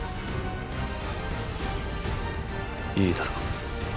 いいだろう。